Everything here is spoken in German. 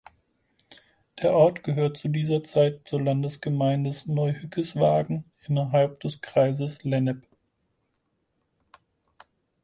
Der Ort gehörte zu dieser Zeit zur Landgemeinde Neuhückeswagen innerhalb des Kreises Lennep.